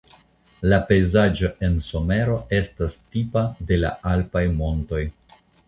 La pejzaĝo en somero estas tipa de la alpaj montoj.